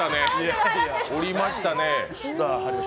降りましたね。